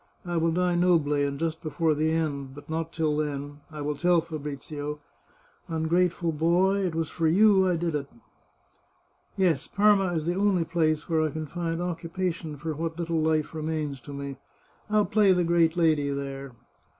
I will die nobly, and just be fore the end, but not till then, I will tell Fabrizio, * Ungrate ful boy, it was for you I did it !'... Yes, Parma is the only place where I can find occupation for what little life remains to me. I'll play the great lady there.